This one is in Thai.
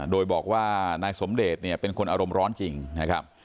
โดยบอกว่านายสมเดชเนี่ยเป็นคนอารมณ์ร้อนจริงนะครับ